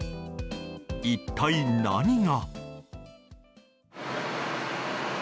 一体何が？